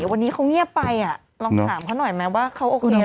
วันนี้เขาเงียบไปอ่ะลองถามเขาหน่อยไหมว่าเขาโอเคหรือเปล่า